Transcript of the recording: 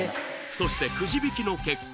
そしてくじ引きの結果